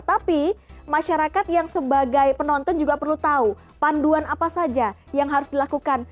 tapi masyarakat yang sebagai penonton juga perlu tahu panduan apa saja yang harus dilakukan